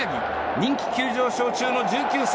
人気急上昇中の１９歳。